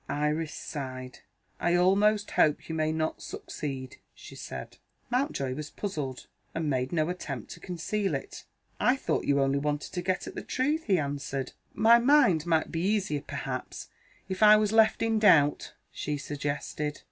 Iris sighed. "I almost hope you may not succeed," she said. Mountjoy was puzzled, and made no attempt to conceal it. "I thought you only wanted to get at the truth," he answered. "My mind might be easier, perhaps, if I was left in doubt," she suggested.